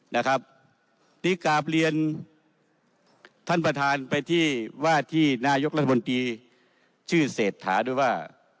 นะครับนี่กราบเรียนท่านประธานไปที่ว่าที่นายกรัฐมนตรีชื่อเศรษฐาด้วยว่า